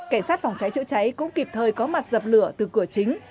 cảnh sát phòng cháy chữa cháy cũng kịp thời có mặt dập lửa từ cửa chính